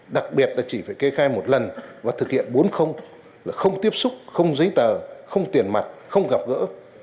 đặc biệt là chỉ phải kê khai một lần và thực hiện bốn là không tiếp xúc không giấy tờ không tiền mặt không gặp gỡ